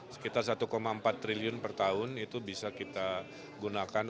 sekitar satu empat triliun per tahun itu bisa kita gunakan